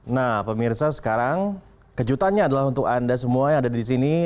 nah pemirsa sekarang kejutannya adalah untuk anda semua yang ada di sini